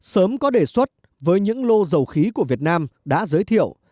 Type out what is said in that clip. sớm có đề xuất với những lô dầu khí của việt nam đã giới thiệu